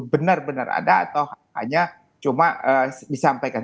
benar benar ada atau hanya cuma disampaikan